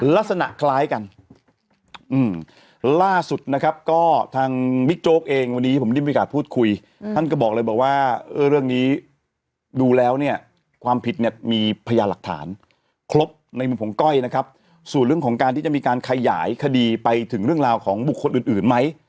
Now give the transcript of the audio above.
ลักษณะคล้ายกันล่าสุดนะครับก็ทางบิ๊กโจ๊กเองวันนี้ผมได้มีโอกาสพูดคุยท่านก็บอกเลยบอกว่าเรื่องนี้ดูแล้วเนี่ยความผิดเนี่ยมีพยานหลักฐานครบในมุมของก้อยนะครับส่วนเรื่องของการที่จะมีการขยายคดีไปถึงเรื่องราวของบุคคลอื่นไหม